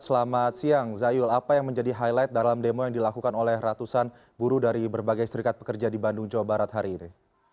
selamat siang zayul apa yang menjadi highlight dalam demo yang dilakukan oleh ratusan buruh dari berbagai serikat pekerja di bandung jawa barat hari ini